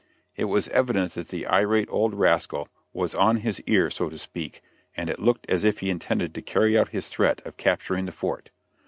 It was evident that the irate old rascal was "on his ear," so to speak, and it looked as if he intended to carry out his threat of capturing the fort.